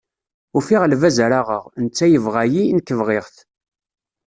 Ufiɣ lbaz ara aɣeɣ, netta yebɣa-yi, nekk bɣiɣ-t.